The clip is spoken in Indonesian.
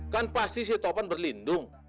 kan pasti si taupan berlindung